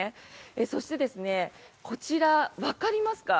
そして、こちらわかりますか？